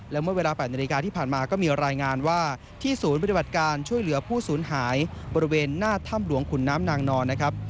และเมื่อเวลา๘นาฬิกาที่ผ่านมาก็มีรายงานว่าที่ศูนย์ปฏิบัติการช่วยเหลือผู้สูญหายบริเวณหน้าถ้ำหลวงขุนน้ำนางนอนนะครับ